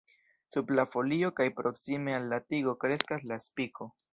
Sub la folio kaj proksime al la tigo kreskas la spiko.